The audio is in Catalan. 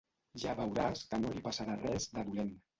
Ja veuràs que no li passarà res de dolent.